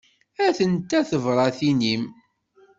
Atent-a tebratin-im.